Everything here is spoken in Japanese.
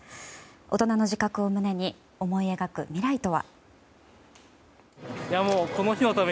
大人の自覚を胸に思い描く未来とは。